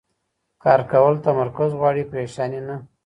کار کول تمرکز غواړي، پریشاني نه.